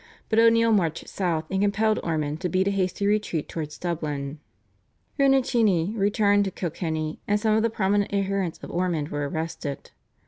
But O'Neill marched south and compelled Ormond to beat a hasty retreat towards Dublin. Rinucinni returned to Kilkenny, and some of the prominent adherents of Ormond were arrested.